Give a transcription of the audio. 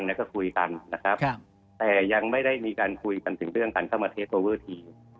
แล้วก็คุยกันนะครับแต่ยังไม่ได้มีการคุยกันถึงเรื่องการเข้ามาเทสโอเวอร์ที